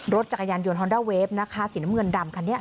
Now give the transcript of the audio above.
รถจักรยานยนต์ฮอนด้าเวฟสีสีน้ำเงินดำ